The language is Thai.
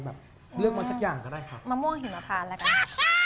แบบเลือกมาสักอย่างก็ได้ค่ะมะม่วงหิมพานแล้วกัน